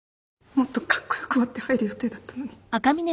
もっとカッコ良く割って入る予定だったのに。